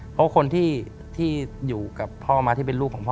เพราะคนที่อยู่กับพ่อมาที่เป็นลูกของพ่อ